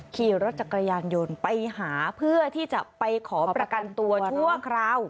ขี่รถจักรยานยนต์ไปหาเพื่อที่จะไปขอประกันตัวชั่วคราว